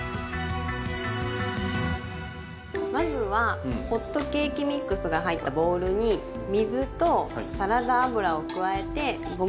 まずはホットケーキミックスが入ったボウルに水とサラダ油を加えてゴムべらで混ぜて下さい。